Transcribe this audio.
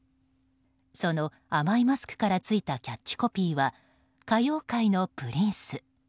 その甘いマスクからついたキャッチコピーは歌謡界のプリンス。